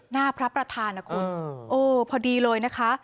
หน้าพระประธานนะคุณโอ้พอดีเลยนะคะ